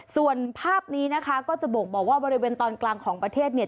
ส่วนภาพนี้นะคะก็จะบ่งบอกว่าบริเวณตอนกลางของประเทศเนี่ย